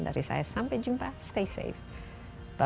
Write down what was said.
dari saya sampai jumpa stay safe